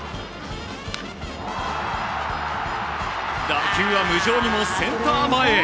打球は無情にもセンター前へ。